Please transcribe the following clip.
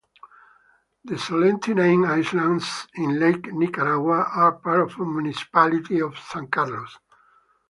The Solentiname Islands in Lake Nicaragua are part of the Municipality of San Carlos.